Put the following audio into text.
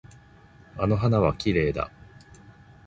あの花はきれいだ。